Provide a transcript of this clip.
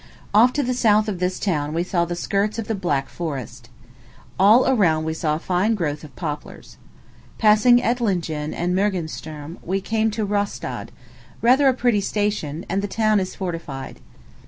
Off to the south of this town we saw the skirts of the Black Forest. All around we saw a fine growth of poplars. Passing Etlingen and Muggensturm, we come to Rastadt rather a pretty station, and the town is fortified.